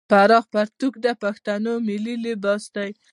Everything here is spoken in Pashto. پراخ پرتوګ د پښتنو ملي لباس دی.